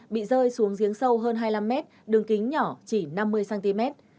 bị rơi xuống giếng sâu hơn hai mươi năm mét đường kính nhỏ chỉ năm mươi cm